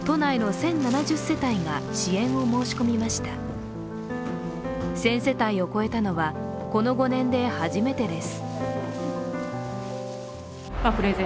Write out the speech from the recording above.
１０００世帯を超えたのは、この５年で初めてです。